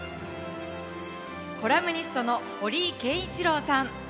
コラムニストの堀井憲一郎さん。